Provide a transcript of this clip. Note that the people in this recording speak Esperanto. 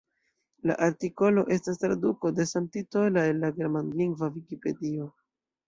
La artikolo estas traduko de samtitola el la germanlingva Vikipedio.